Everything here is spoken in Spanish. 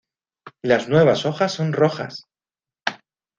Las nuevas hojas son rojas.